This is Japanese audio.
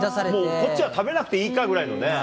こっちは食べなくていいかぐらいのね。